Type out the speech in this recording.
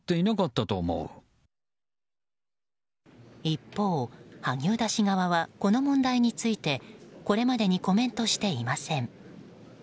一方、萩生田氏側はこの問題についてこれまでにコメントしていません。